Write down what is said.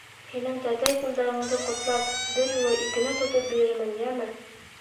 Һинең тәтәй күлдәгеңде ҡотлап, бер юлы икене тотоп бирермен, йәме.